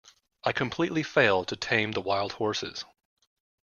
I completely failed to tame the wild horses.